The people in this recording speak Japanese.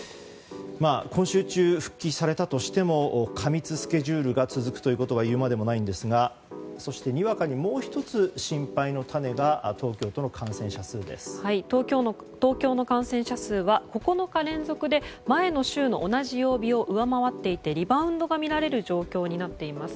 今週中、復帰されたとしても過密スケジュールが続くことはいうまでもないんですがにわかに心配の種がもう１つ東京の感染者数は９日連続で前の週の同じ曜日を上回っていてリバウンドが見られます。